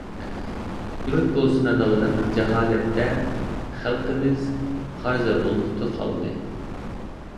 يۇرت بولسا نادانلىق، جاھالەتتە، خەلقىمىز خار-زەبۇنلۇقتا قالدى.